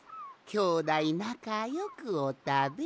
きょうだいなかよくおたべ。